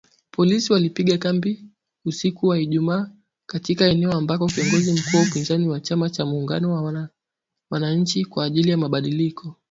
Polisi walipiga kambi usiku wa Ijumaa katika eneo ambako kiongozi mkuu wa upinzani wa chama cha muungano wa wananchi kwa ajili ya mabadiliko.